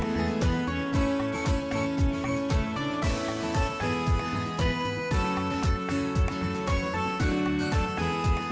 โปรดติดตามตอนต่อไป